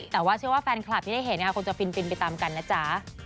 แต่ว่าเชื่อว่าแฟนคลับที่ได้เห็นคงจะฟินไปตามกันนะจ๊ะ